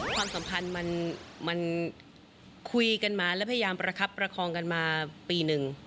ความสัมพันธ์มันคุยกันมาและพยายามประคับประคองกันมาปีหนึ่ง